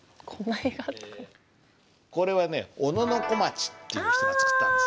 これはね小野小町っていう人が作ったんです。